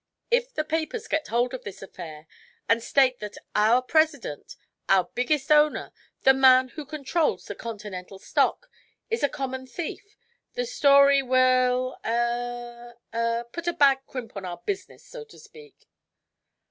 "If the papers get hold of this affair, and state that our president our biggest owner the man who controls the Continental stock is a common thief, the story will eh eh put a bad crimp in our business, so to speak."